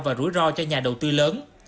và rủi ro cho nhà đầu tư lớn